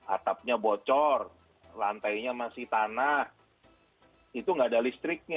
atapnya bocor lantainya masih tanah itu nggak ada listriknya